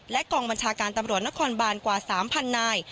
กองบัญชาการตำรวจนครบานกว่า๓๐๐นาย